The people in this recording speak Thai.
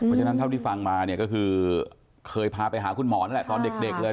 เพราะฉะนั้นเท่าที่ฟังมาเนี่ยก็คือเคยพาไปหาคุณหมอนั่นแหละตอนเด็กเลย